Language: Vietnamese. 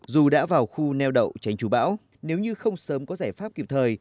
dù đã vào khu neo đậu tránh chú bão nếu như không sớm có giải pháp kịp thời